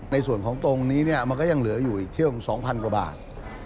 ในส่วนของตรงนี้เนี่ยมันก็ยังเหลืออยู่อีกเที่ยว๒๐๐กว่าบาท